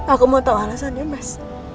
aku mau tahu alasannya mas